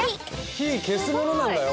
火消すものなんだよ